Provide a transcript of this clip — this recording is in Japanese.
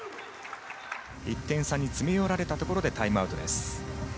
１点差に詰め寄られたところでタイムアウトです。